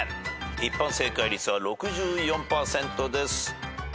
一般正解率は６４％です。